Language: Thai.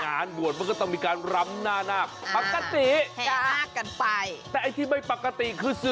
งานบวชมันก็ต้องมีการรำหน้านาคปกติคือ